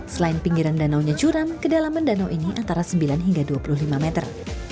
selain pinggiran danaunya curam kedalaman danau ini antara sembilan hingga dua puluh lima meter